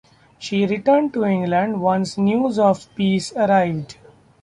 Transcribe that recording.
She returned to England once news of the peace arrived.